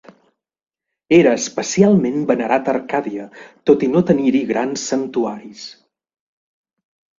Era especialment venerat a Arcàdia, tot i no tenir-hi grans santuaris.